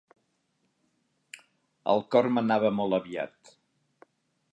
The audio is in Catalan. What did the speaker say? El cor m'anava molt aviat.